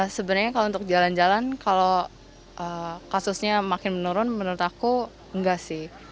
sebenarnya kalau untuk jalan jalan kalau kasusnya makin menurun menurut aku enggak sih